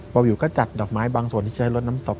วิวก็จัดดอกไม้บางส่วนที่ใช้รถน้ำศพ